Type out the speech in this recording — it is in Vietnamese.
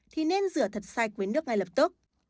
thì nên rửa thật sạch với nước ngay lập tức